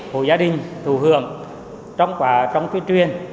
hội gia đình thù hưởng trong truyền truyền